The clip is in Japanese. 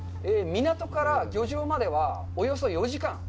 港から漁場までは、およそ４時間。